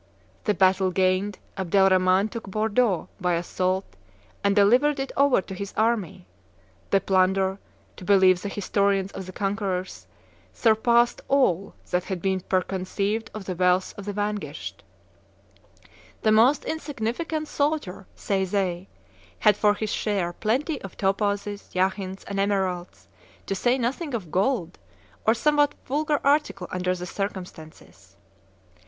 The battle gained, Abdel Rhaman took Bordeaux by assault and delivered it over to his army. The plunder, to believe the historians of the conquerors, surpassed all that had been preconceived of the wealth of the vanquished: "The most insignificant soldier," say they, "had for his share plenty of topazes, jacinths, and emeralds, to say nothing of gold, a somewhat vulgar article under the circumstances."